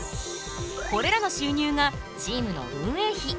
これらの収入がチームの運営費。